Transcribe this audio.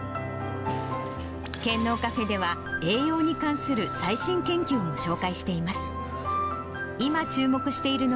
健脳カフェでは、栄養に関する最新研究も紹介しています。